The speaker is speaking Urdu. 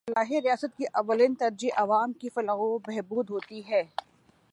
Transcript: فلاحی ریاست کی اولین ترجیح عوام کی فلاح و بہبود ہوتی ہے۔